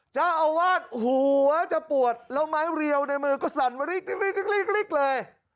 เจ้าอาวาสหัวจะปวดแล้วไม้เรียวในมือก็สั่นมาริกเลย